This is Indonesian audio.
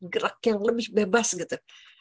gerak yang lebih bebas gitu